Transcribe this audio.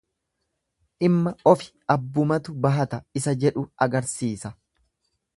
Dhimma ofi abbumatu bahata isa jedhu agarsiisa.